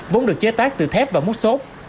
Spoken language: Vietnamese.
vốn được chế tác từ thép và mút sốt